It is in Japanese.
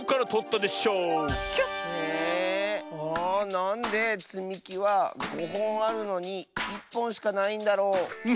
なんでつみきは５ほんあるのに１ぽんしかないんだろ？